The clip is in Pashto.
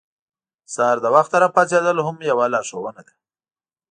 سهار د وخته راپاڅېدل هم یوه لارښوونه ده.